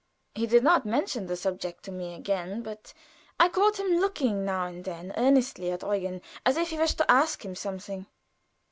He did not mention the subject to me again, but I caught him looking now and then earnestly at Eugen, as if he wished to ask him something.